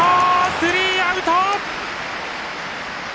スリーアウト！